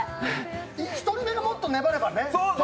一人目がもっと粘ればね。